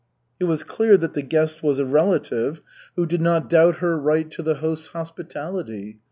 It was clear that the guest was a relative, who did not doubt her right to the host's hospitality.